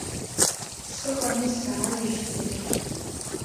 Сыҟами сааиижьҭеи!